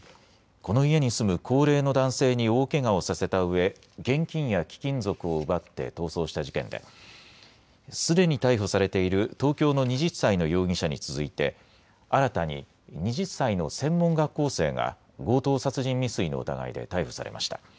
この家に住む高齢の男性に大けがをさせたうえ、現金や貴金属を奪って逃走した事件ですでに逮捕されている東京の２０歳の容疑者に続いて新たに２０歳の専門学校生が強盗殺人未遂の疑いで逮捕されました。